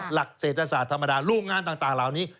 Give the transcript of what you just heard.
หลักเศรษฐศาสตร์ธรรมดาโรงงานต่างเหล่านี้